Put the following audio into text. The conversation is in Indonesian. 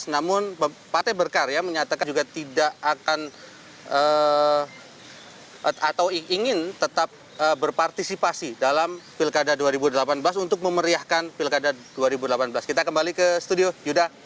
namun partai berkarya menyatakan juga tidak akan atau ingin tetap berpartisipasi dalam pilkada dua ribu delapan belas untuk memeriahkan pilkada dua ribu delapan belas kita kembali ke studio yuda